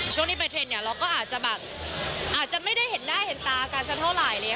ช่วงนี้ไปเทรนด์เนี่ยเราก็อาจจะแบบอาจจะไม่ได้เห็นหน้าเห็นตากันสักเท่าไหร่เลย